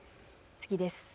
次です。